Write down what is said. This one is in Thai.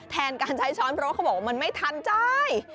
แทนการใช้ช้อนเพราะว่าเขาบอกว่ามันไม่ทันใจ